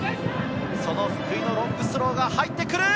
福井のロングスローが入ってくる。